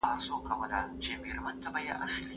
رحمان بابا د وحدت الوجود مفهوم په شعرونو کې څرګند کړ.